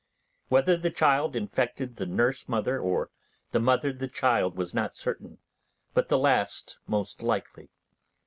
Whether the child infected the nurse mother or the mother the child was not certain, but the last most likely.